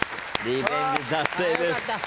リベンジ達成です。